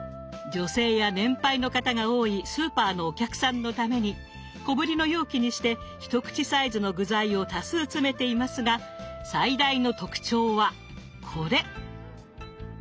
女性や年配の方が多いスーパーのお客さんのために小ぶりの容器にして一口サイズの具材を多数詰めていますが最大の特徴はこれ！